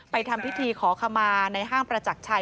ทำพิธีขอขมาในห้างประจักรชัย